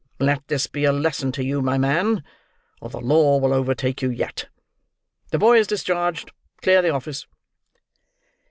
Let this be a lesson to you, my man, or the law will overtake you yet. The boy is discharged. Clear the office!"